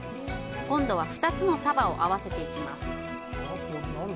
今度は２つの束を合わせていきます。